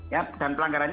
ya dan pelanggaran ini